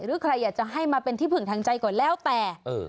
หรือใครอยากจะให้มาเป็นที่พึ่งทางใจก่อนแล้วแต่